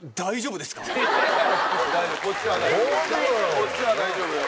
こっちは大丈夫よ。